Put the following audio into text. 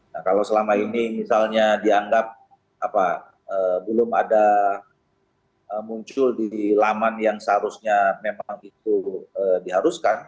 nah kalau selama ini misalnya dianggap belum ada muncul di laman yang seharusnya memang itu diharuskan